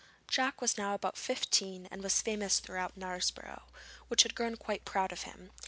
Jack was now about fifteen and was famous throughout Knaresborough, which had grown quite proud of him.